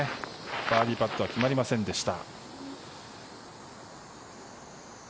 バーディーパットは決まりませんでした。